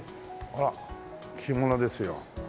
あら着物ですよ。